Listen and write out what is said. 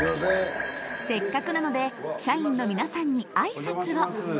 せっかくなので社員の皆さんに挨拶を。